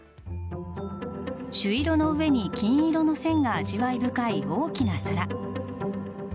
朱色の上に金色の線が味わい深い、大きな皿。